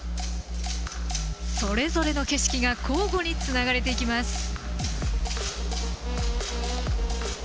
それぞれの景色が交互につながれていきます。